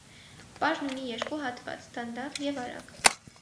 Պարն ունի երկու հատված՝ դանդաղ և արագ։